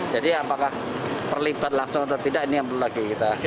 jadi apakah perlibat langsung atau tidak ini yang perlu lagi kita dalam